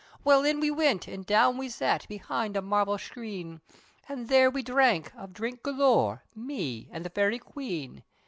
Well in we wint, an' down we sat, Behind a marvel schreen, An' there we dhrank, of drink galore, Me an' the Fairy Queen.